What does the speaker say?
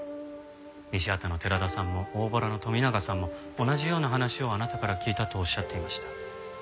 西畑の寺田さんも大洞の富永さんも同じような話をあなたから聞いたとおっしゃっていました。